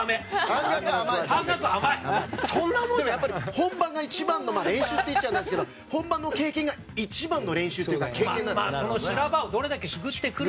本番が一番の練習っていっちゃだめですけど本番の経験が一番の練習というか経験になる。